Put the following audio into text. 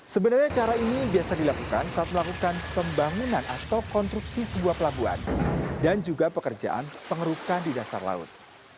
sebenarnya cara ini biasa dilakukan saat melakukan pembangunan atau konstruksi sebuah pelabuhan dan juga pekerjaan pengerukan di dasar laut